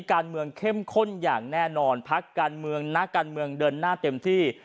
การเมืองเข้มข้นอย่างแน่นอนพักการเมืองนักการเมืองเดินหน้าเต็มที่